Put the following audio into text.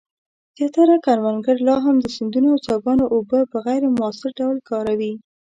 زیاتره کروندګر لا هم د سیندونو او څاګانو اوبه په غیر مؤثر ډول کاروي.